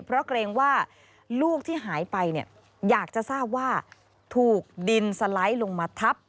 เพราะเกรงว่าลูกที่หายไปเนี่ยอยากจะทราบว่าถูกดินสไลด์ลงมาทับ